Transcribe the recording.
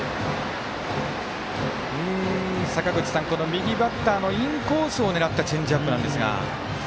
坂口さん、右バッターのインコースを狙ったチェンジアップなんですが。